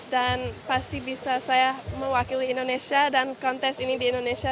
dan pasti bisa saya mewakili indonesia dan kontes ini di indonesia